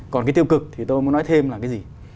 còn cái tiêu cực thì tôi muốn nói thêm là cái gì